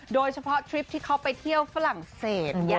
โดยเฉพาะทริปที่เขาไปเที่ยวฝรั่งเศส